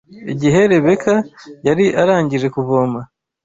Igihe Rebeka yari arangije kuvoma